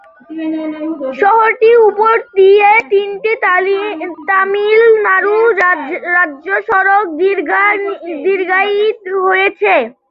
শহরটির উপর দিয়ে তিনটি তামিলনাড়ু রাজ্য সড়ক দীর্ঘায়িত হয়েছে।